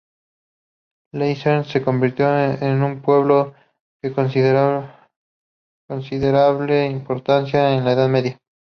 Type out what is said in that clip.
Leicester se convirtió en un pueblo de considerable importancia en la Edad Media.